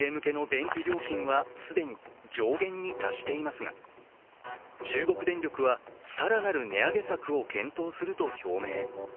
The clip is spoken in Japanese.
電気料金は既に上限に達していますが中国電力は更なる値上げ策を検討すると表明。